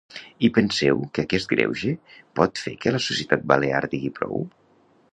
I penseu que aquest greuge pot fer que la societat balear digui prou?